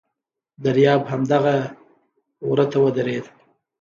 دریاب همدغه وره ته ودرېد.